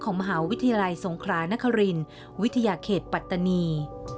มหาวิทยาลัยสงครานครินวิทยาเขตปัตตานี